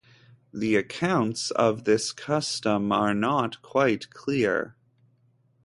The accounts of this custom are not quite clear.